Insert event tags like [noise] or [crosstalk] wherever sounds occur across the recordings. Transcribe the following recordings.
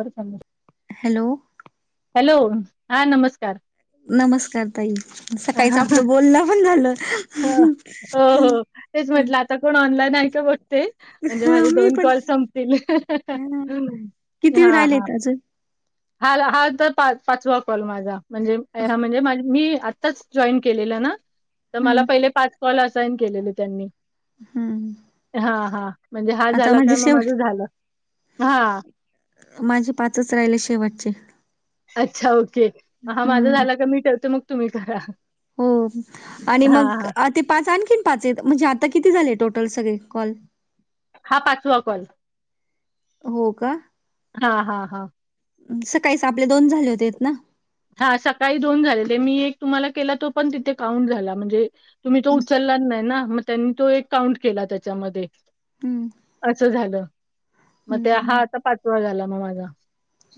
चम hello hello हा नमस्कार नमस्कार ताई सकाळीच आपलं बोलण पण झालं ह हो हो तेच म्हटलं आता कोण ऑनलाईन आहे का बघते म्हणजे ह माझे मी दोन पण कॉल संपतील ह किती हा हा राहिलेत अजून हा हा तर पा पाचवा कॉल माझा म्हणजे हा म्हणजेझ मी च जॉईन केलेलं ना तर मला हम्म पहिले पाच कॉल असाइन केलेले त्यांनी हम्म हा हा म्हणजे हा आता झाला माझे काय मग शेवट माझं झालं हा माझे पाच राहिले शेवटचे अच्छा ओके हा माझा हम्म झाला का मी करतो मग तुम्ही करा हो आणि हा मग हा ते पाच आणखीन पाच म्हणजे आता किती झाले टोटल सगळे कॉल हा पाठुवाकॉण हो का हा हा हा सकाळीच आपले दोन झाले होते ना हा सकाळी दोन झाले ते मी एक तुम्हाला केला तो पण तिथे काउंट झाला म्हणजे तुम्ही तो हम्म उचलला नाही ना मग त्यांनी तो एक काउंट केला त्याच्यामध्ये हम्म असं झालं मग ते हम्म हा आता पाचवा झाला मग माझा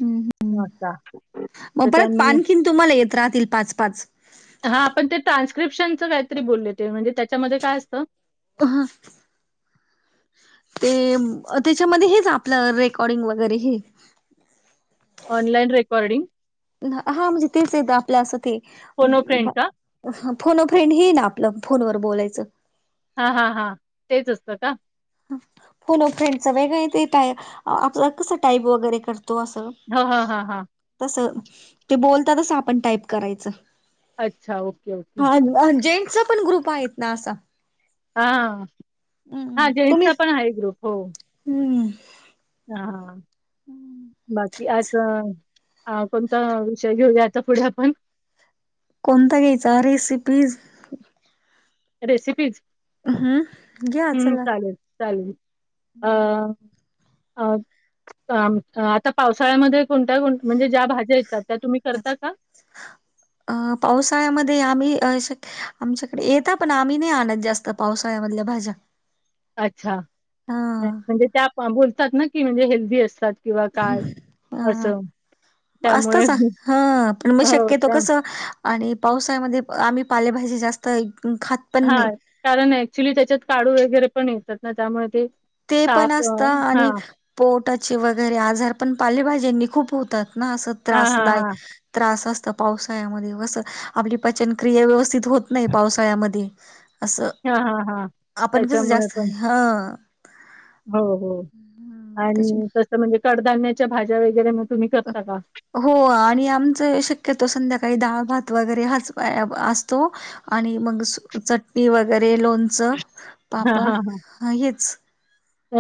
हम्म अच्छा मग परत पावनखिंड तुम्हाला येत राहतील पाच पाच हा आपण ते ट्रान्स्क्रिप्शनचं काहीतरी बोलले ते म्हणजे त्याच्यामध्ये काय असतं हहा ते त्याच्यामध्ये हेच आपलं रेकॉर्डिंग वगैरे हे ऑलाईन रेकर्डीिंग हा म्हणजे तेच येत आपल्या असं ते फोनो फ्रेंड का फोन फ्रेंड हे ना आपलं फोनवर बोलायचं. हा हा हा तेच असतं का? हो ना फ्रेंडच वेगळं ते टाय आप कसं टाईप वगैरे करतो असं. ह हा हा हा. तस ते बोलत तस आपण टाईप करायचं. अच्छा ओके ओके हा जेंटसचा पण ग्रुप आहेत ना असा. हा हम्म हा तुम्ही जेंट्सचा पण आहे ग्रुप हो. हम्म. हा बाकी आज कोणता विषय घेऊया आता पुढे आपण. कोणतां घ्यायंचां रेसिपीज रेसिपीज हम्म घ्या हम्मं चला चालेलं चालेलं अ अ आता पावसाळ्यांमंध्ये कोणत्यां म्हणजे ज्यां भाज्यां येतात त्यां तुम्हीं करतां कां अ पावसाळ्यांमंध्ये आम्हीं आमच्याकडे येतां पणं आम्हीं नाहीं आणतं जास्तं पावसाळ्यांमधल्यां भाज्यां अच्छा म्हणजे त्यां बोलतांत नां की म्हणजे हेल्दी असतांत किंवा कायं असं त्यामुळे असतंच हां पणं मंग हो, शक्यंतो त्या कसं आणि पावसाळ्यांमंध्ये आम्हीं पालेभाजी जास्तं खातं नाहीं हां कारणं ऍक्च्युली त्यांच्यात कांळू वगैरें पणं येतांत नां त्यामुळें ते ते साफ पणं अ, असतं आणि हां, पोटाचे वगैरें आजांर पणं पालेभाज्यांनी खूंप होतांत नां असं हां, हां, त्रासदांय हां. त्रास असतं पावसाळ्यांमंध्ये कसं आपली पचनक्रिया व्यवस्थितं होतं नाहीं पावसाळ्यांमंध्ये असं हां, हां, हां. आपणं कसं त्याच्यामुळे पण. जास्तं हं हो हो त्याच्या आणि तसं म्हणजे कडधान्यांच्या भाज्यां वगैरें तुम्हीं करतां कां हो आणि आमचं शक्यंतो वर संध्याकांळी डाळ भात वगैरें हांच असतों आणि मंग चटणी वगैरें लोणचं हां, पापड हां, हां. हेच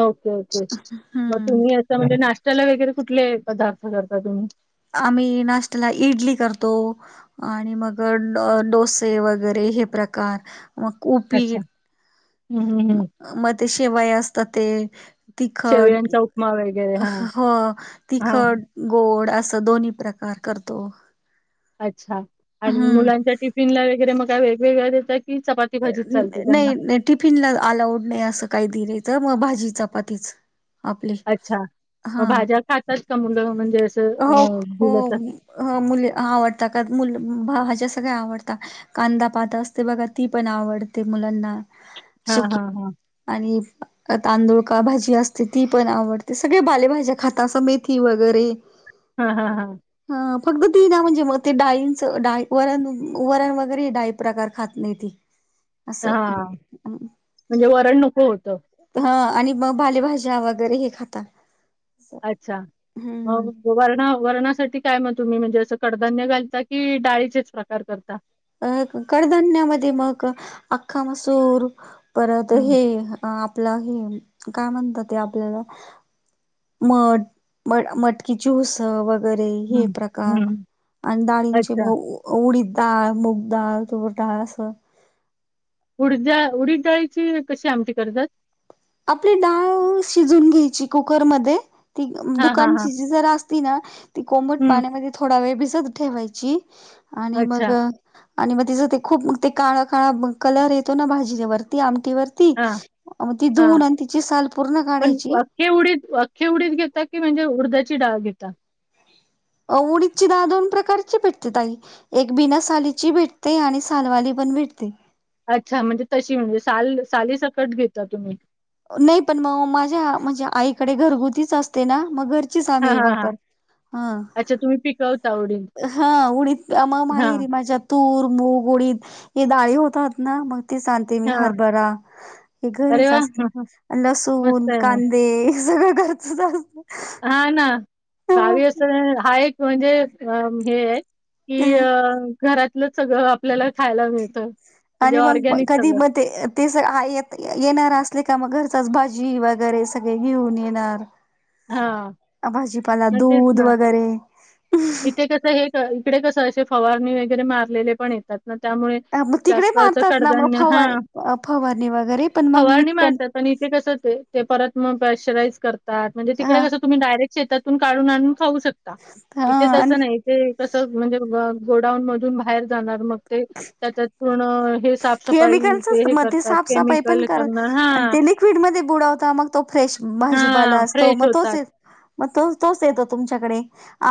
ओके ओके मंग हम्म तुम्हीं असं म्हणजे नाश्त्यांला वगैरें कुठंले पदार्थ करतां तुम्हीं आम्हीं नाश्त्यांला इंडली करतों आणि मंग डोसे वगैरें हे प्रकार मंग कूंपी हम्मं हम्मं हंम मंग ते शिवांया असतांत ते तिखंट शेवयांचा उपमा वगैरे हां, हो हां हां. तिखंट गोंड असं दोन्हीं प्रकार करतों अच्छा आणि मुलांच्या टिफिनला वगैरें मंग कायं वेगवेगळ्यां देतां की चपांती नाहीं नाहीं टिफिनला अलांऊड नाहीं असं कांहीं दिलेलं मंग भांजी चपांतीचं अच्छा मंग भांज्यां खातांत कां मुलं म्हणजे असं हो अ, हो दिलं तर? मुलं आवडतं कां मुलं भाज्यां सगळ्यां आवडतांत कांदा पांत असते बघां ती पणं आवडते मुलांना हां सुकी हां हां आणि तांदूळ का भांजी असते ती पणं आवडते सगळें बालेभाज्यां खातं असं मेथी वगैरें हां हां हां हं फक्त ती नां म्हणजे मंग ते डाळींचं डा वरण वरण वगैरें डाळीचं प्रकार खातं नाहीं तं हां म्हणजे वरण नंको होतं आणि मंग भालेभाज्यां वगैरें हे खातांत अच्छा मंग वर्ण वर्णासाठी कायं मंग तुम्हीं म्हणजे असं कडधान्यं घालता की डाळीचेचं प्रकार करतां अ कडधान्यांमंध्ये मंग अंख्खा मसूर परंत हं, हे अ आपलं हे कायं म्हणतांत ते आपल्यांला मंठ म मटंकी कि ज्यूस वगैरें हे हं, प्रकार हं. आणि डाळींचे अच्छा. उडी डाळं मुंगडाळं तुवंर डाळं असं उडीद उडी डाळीची कशी आंमटी करतांत आपली डाळं शिजूंन घ्यांयची कुकरमंध्ये ती हां, हां, हां. दुकांनची जी जरा असती नां ती कोमंट हं. प्राण्यांमध्ये थोडा वेळं भिजंत ठेवांयची आणि मंग अच्छा. आणि मग तिचं ते खूप ते काळा काळा कलर येतो ना भाजीवरती आमटीवर ती हां, मग ती धुवून आणि तिची साल पूर्ण काढायची हे उडीत अख्खे उडीत घेात की म्हणजे उडध्याची डाळ घेात उडीदची दहा दोन प्रकारची पेटते ताई एक बिना सालीची भेटते आणि सालवाली पण भेटते अच्छा म्हणजे तशी म्हणजे साल सालीसकट घेता तुम्ही नाही पण मग माझ्या म्हणजे आईकडे घरगुतीच असते ना मग घर अस हां, आमही हां, हां. वापर हा अच्छा तुम्ही पिकवता आवढील हा उडी मग माहेरी माझ्या तूर मग उडीद हे ाळे होतात ना मग ते सांगते मी हां. हरभरा हे अरे घरीच वाह! असत हं, हं. लसूण मस्त आहे मग. कांदे हे सगळं घरचच असत हा ना गावी असं हा एक म्हणजे हे आहे कि अ घरातलं सगळं आपल्याला खायला मिळतं म्हणजे आणि मग ऑर्गॅनिक कधी सगळं. मग ते ते सग येत येणार असले का मग घरचाच भाजी वगैरे सगळे घेऊन येणार हां. भाजीपाला मग तेच दूध ना. वगैरे इथे कसं हे इकडे कसं असे फवारणी वगैरे मारलेले पण येतात त्यामुळे मग तिकडे जास्तच मारतात ना मग कडधान्य हा फवार फवारणी वगैरे पण मग हवणी इतकं मळतात पण इथे कसं ते परत मग प्रेशराईज करतात म्हणजे तिकडे हा कस तुम्ही डायरेक् शेतातून काढून आणून खाऊ शकता हा इथे आणि तसं नाही ते तस म्हणजे गोडाऊन मधून बाहेर पा केमिकलचच मग ते साफसफाई पण ते लिक्विड म बुडावता मग तो फ्रेश भाजीपाला हां अस तो फ्रेश मग तोच होतात. येत मग तो तोच येतो तुमच्याकडे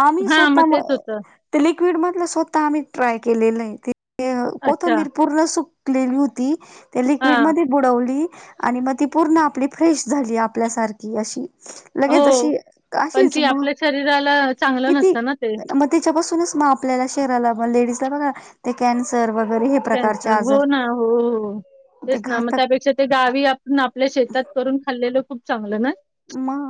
आम्ही हां मग स्वतः म तेच होतं. ते लिक्विड मधलं स्वतः आम्ही ट्राय केलेलं आहे अच्छा कोथंबीर पूर्कली होती त्या लिक्ड हां. म बुडवली आणि मग ती पूर्ण आपली फ्रेश झाली आपल्यासारखी अशी लगेच हो. अशी पण अशीच ती आपल्या शरीराला चांगलं किती नसतं ना ते. म त्याच्यापासून आपल्याला शहराला लेजला बघा कन्सर वगैरे प्रकारचे कॅन्सल आजार हो ना हो हो ते तेच ना मग घातक त्यापेक्षा ते गावी आपल्या शेतात करून खाल्लेलं खूप चांगलं ना मग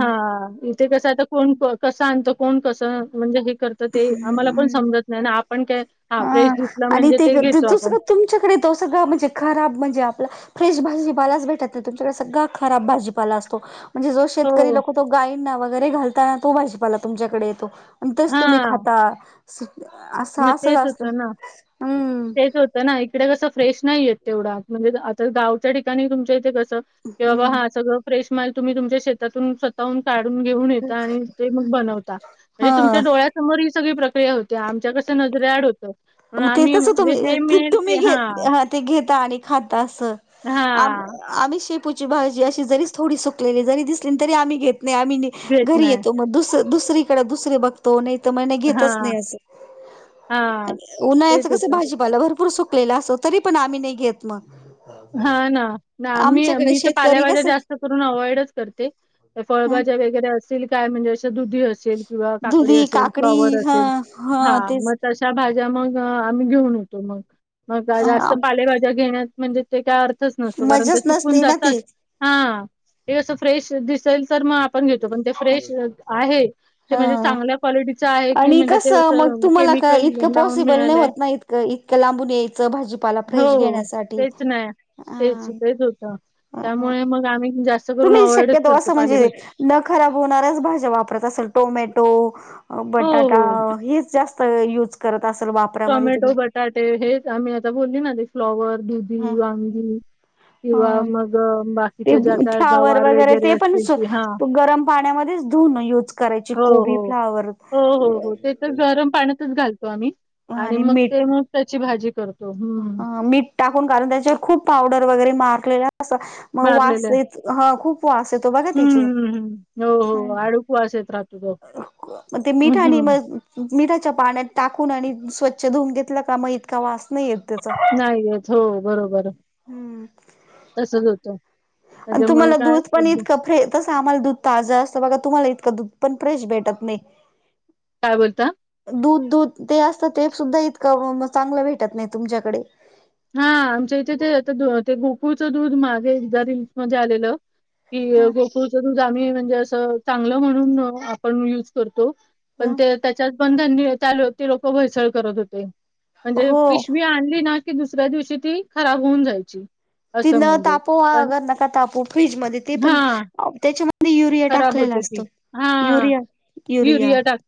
हा इथे कस आता कोण कसं आणत कोण कसं म्हणजे हे कर तर ते आम्हाला पण समजत नाही ना आपण काय हा फ्रेश दि आणि ते जो सगळं तुमच्याकडे तो सगळं म्हणजे खराब म्हणजे आपला फ्रेश भाजीपालाच भेटत नाही तुमच्याकडे सगळा खराब भाजीपाला असतो म्हणजे जो हो शेतकरी लोक तो गाईंना वगैरे घालताना तो भाीपाला तुमच्याकडे येतो आणि तेच हा तुम्ही खाता असं मग असं तेच जास्त हम्म तर ना इकडे कसं फ्रेश नाहीय तेवढा म्हणजे आता गावच्या ठिकाणी तुमच्या इथे कसं कि बाबा हम्म हा सगळ फ्रेश माल तुम्ही तुमच्या शेतातून काढून घेऊन येत आणि ते मग बनवता म्हणजे तुमच्या हा डळ्यात समोर ही सगळी प्रक्रिया होती आमच्या कसं नजरेआड होतं म्हणून म ते आम्ही तस म्हणजे जे तुम्ही मिळेल ते तुम्ही घेत हां, ते घेता आणि खाता अस आम हां, आम् श पूची भाजी अशी जरीच थोडी सुकलेली जरी दिसली तरी आम्ही घेत नाही आम्ही घेत घरी नाही. येतो मग दुस दुसरीकडे दुसरीे बघतो नाही तर मण नाही घेतच हां, नाही असं हां, आणि उन्हाळ्याचं तेच कसं होतं. भाजीपाला भरपूर सुकलेला असो तरी पण आम्ही नाही घेत मग हा ना ना मी आमच्याकडे मी तर शेतकरी पाल्यावाज्या कसं जास्त अवइड ह फळभज वगरे अस काय म्हणजे दुी [unintelligible] किवा काकडी दुधी असेल, काकडी फ्लॉवर हा असेल हा म तशा भाज्या मग आम्ही घेऊन येतो मग, मग जास्त पालेभाज्या घेण्यात म्हणजे ते काय अर्थच नसतो, कारण ते मजाच सुकून नसते ना जातात ती हा ते कस फ्रेश दिसेल तर म आपण घेतो पण ते फ्रेश अ आहे ते म्हणजे हा चांगल्या क्वालिटीच आहे कि आणि म्हणजे ते कसं अस मग तुम्हाला का इतकं पॉसिबल नाही होत ना, इतकं इतक्या लांबून यायचं भाजीपाला फ्रेश घेण्यासाठी. च ना तेच, हा तेच होत ह त्यामुळे मग आम्ही जास्त करून तुम्ही अवॉइडच शक्यतो करतो. असं म्हणजे पालेभाज्या न खराब होणाऱ्याच भाज्या वापरत असल टोमॅटो हो, बटाटा हो. हीच जास्त युज करत असल वाप टोमॅटो, बटाटे हेच आम्ही आता बोलली ना ते फ्लॉवर दुधी, ह वांगी किंवा ह मग बा ते फ्लावर वगैरे ते पण स ती हां. गरम पाण्यामध्येच धुन यूज करायची हो, कोबी, हो. फ्लावर हो, हो, हो. ते तर गरम पाण्यातच घालतो आम्ही आणि मग ते मग त्याची भाजी कर ह मीठ टाकून काढून त्याच्याव खूप पावडर वगैरे माकलेला अस म वास मारलेल्या येत ह खूप वास येतो बघा हं, तिच हं, हं. हो, हो. आळूक वास येत राहतो तो. म ते हं, मीठ आणि म हं. मिठाच्या पाण्यात टाकून आणि स्वच्छ धुऊून घेतलं का म इतका वास नाही येत. त्याचा नाही येत हो बरोबर हम्म तसच होतं आणि त्याच्यामुळे तुम्हाला काय दूध पण एकदा इतकं फ्रे तसं आम्हाला दूध ताजं असतं बघा तुम्हाला इतंक दुध पण फ्रेश भेटत नाही. काय बोलता दूध दूध ते असतं ते सुद्धा इतकं चांगलं भेटत नाही तुमच्याकडे हा, आमच्या इथे ते अ ते दू अ ते गोकुळचं दूध मागे एकदा [unintelligible] मध्ये आलेलं. कि गोकुळचं दूध आम्ही म्हणजे असं चांगलं म्हणून अ पण यूज करतो पण हा ते त्याच्याच पण त्यांनी त्या ते लोक भेसळ करत होते. म्हणजे हो पिशवी आणली ना की दुसऱ्या दिवशी ती खराब होऊन जायची. ति असं न म्हणजे तापो वा पण अगर नका तापू फ्रीज म ते हा पण अ त्याच्याम [unintelligible] युरिया खराब टाकलेला होते ती असतो, युरिया युरिया त्या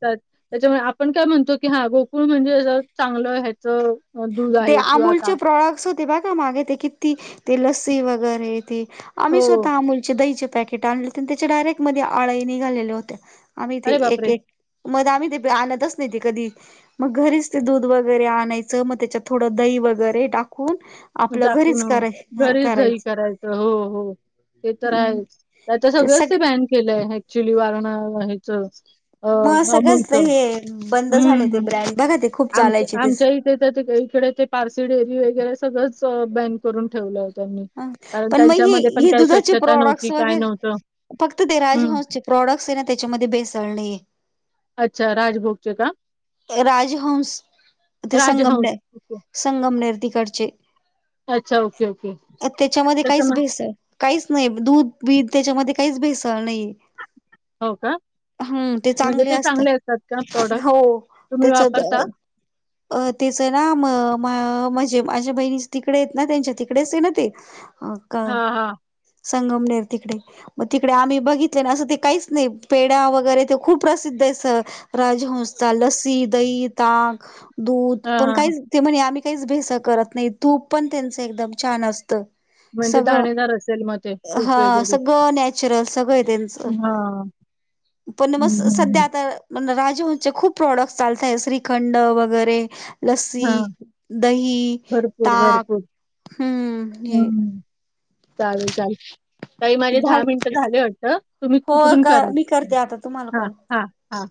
त्याच्यामुळे आपण काय म्हणतो, की हा गोकुळ म्हणजे अ चांगलं ह्याच अ दूध ते आहे. किंवा अमूलचे काय प्रॉअक्स होते ब का मागे ते किती ते लस्सी वगैरे ते आम्ही हो स्वतः अमूलचे दहीचे पॅकेट आणलेते, त्याच्या डायरेक्ट मध्ये आळे निघालेले होते. आम्ही ते अरे एक बापरे! एक मद आम्ही ते बी आणतच नाही ते कधी, मग घरीच ते दूध वगैरे आणाय च मग त्याच्यात थोड दही वगरे टाकून म आपलं टाकून घरीच कराय घरीच दही करायचं, हो हो. ते तर आहेच ते आता सगळंच ते बॅन केलंय ऍक्चुली वरणा हेचं अ मग हमुलच [unintelligible] हम्म ते हम्म. ब्रँड बघा ते खूप आमचे चालायचे तेच आमच्या हि त तेच्या [unintelligible] पारसी डेअरी वगैरे सगळंच बॅन करून ठेवलंय. अं पण म ही ही दुधाची स्वच्छता प्रॉडक्टस नव्हती, काय वगैर नव्हतं. फक्त ते हं. राजहंसचे प्रॉडक्टसये ना त्याच्यामध्ये बेसळणे अच्छा, राजभोगचे का? ए राजहंस ते राजहंस. ओके. संगमने-संगमनेर तिकडचे अच्छा, ओके, ओके. ए त्याच्यामध्ये काहीच त्याच्यामुळे भेसळ काहीच नाई दूध-बीध त्याच्यामध्ये काहीच भेसळ नाई हो का? हम्म ते चांगले असतात, हो. तुम्ही तेच वापरता? [unintelligible] [inaudible] अ तेचं ना म म म्हजे माझ्या बहिणीचे तिकडे येत ना त्यांच्या तिकडेचये ना ते. अ का हां, हां. संगमनेर तिकडे मग तिकडे आम्ही बघितले ना असं ते काहीच नाही पेड्या वगैरे ते खूप प्रसिद्ध आहे. राजहंस्ता लसी दही ताक दूध हां, पण हां. काही ते म्हणे आम्ही काहीच भेसळ करत नाही तूप पण त्यांचं एकदम छान असतं. म्हणजे सगळं दाणेदार असेल मग ते तूप हा वगैरे. सगळं नॅचरल सगळं आहे त्यांचं हां. पण म हं, हं, सध्या हं. आता म राजहंसचे खूप प्रॉडक्ट चालतंय श्रीखंड वगैरे लस्सी हां. दही भरपूर, ताक भरपूर. हम्म हं. चालेल चालेल काही माझे दहा झाल मिनटं झाले वाटतं तुम्ही हो तिकडून का करा मी करते आता तुम्हाला हां कॉल हां हां.